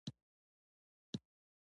په کرار ځه! مخکې د تالاشی چيک پوسټ دی!